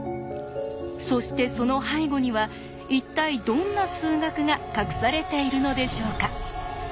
そしてその背後には一体どんな数学が隠されているのでしょうか？